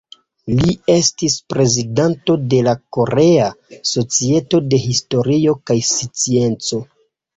Li estis prezidento de la Korea Societo de Historio kaj Scienco.